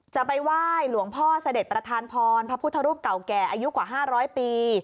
จะไปไหว้หลวงพ่อเสด็จประธานพรพระพุทธรูปเก่าแก่อายุกว่า๕๐๐ปี